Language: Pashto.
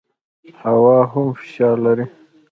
هوا هم فشار لري.